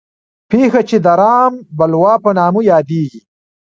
پېښه چې د رام بلوا په نامه یادېږي.